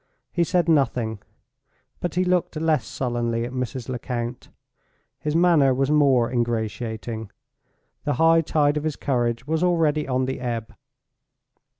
He said nothing; but he looked less sullenly at Mrs. Lecount. His manner was more ingratiating; the high tide of his courage was already on the ebb.